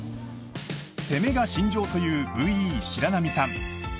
［攻めが信条というＶＥ白波さん］